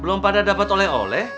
belum pada dapat oleh oleh